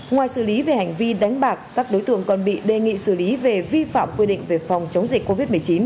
ngoài xử lý về hành vi đánh bạc các đối tượng còn bị đề nghị xử lý về vi phạm quy định về phòng chống dịch covid một mươi chín